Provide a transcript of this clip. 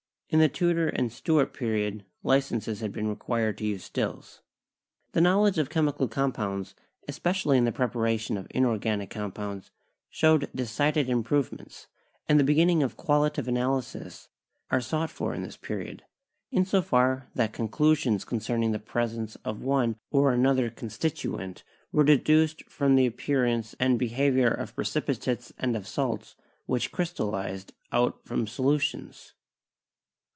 In the Tudor and Stuart period, licenses had been required to use stills. The knowledge of chemical compounds, especially the preparation of inorganic compounds, showed decided im provements ; and the beginnings of qualitative analysis are to be sought for in this Period, in so far that conclusions concerning the presence of one or another constituent were deduced from the appearance and behavior of pre cipitates and of salts which crystallized out from solutions.